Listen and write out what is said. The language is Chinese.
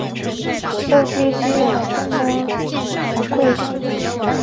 基山停车区是位于佐贺县三养基郡基山町与福冈县筑紫野市的九州自动车道之休息区。